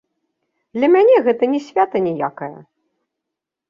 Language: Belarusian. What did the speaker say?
Для мяне гэта не свята ніякае.